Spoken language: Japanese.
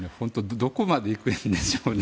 どこまで行くんでしょうね。